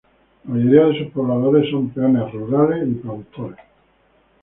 La mayoría de sus pobladores son peones rurales y productores.